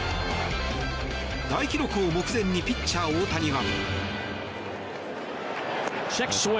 大記録を目前にピッチャー大谷は。